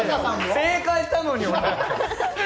正解したのに。